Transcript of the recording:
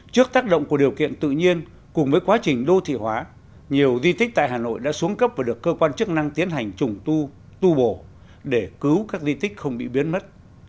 trước tác động của điều kiện tự nhiên cùng với quá trình đô thị hóa nhiều di tích tại hà nội đã xuống cấp và được cơ quan chức năng tiến hành trùng tu tu bổ để cứu các di tích không bị biến mất